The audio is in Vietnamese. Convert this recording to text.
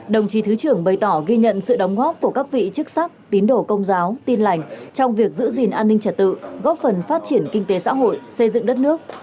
đồng chí thứ trưởng bày tỏ ghi nhận sự đóng góp của các vị chức sắc tín đổ công giáo tin lành trong việc giữ gìn an ninh trật tự góp phần phát triển kinh tế xã hội xây dựng đất nước